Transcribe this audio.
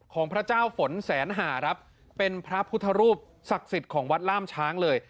ของพระเจ้าฝนแสนหาครับเป็นพระพุทธรูปศักดิ์สิทธิ์ของวัดล่ามช้างเลย